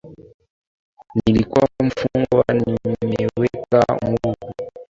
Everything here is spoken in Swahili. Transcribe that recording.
Nilikua mfungwa, nimewekwa huru,